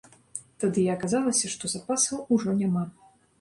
Тады і аказалася, што запасаў ужо няма.